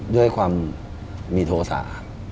ด้วยความมีโทษะ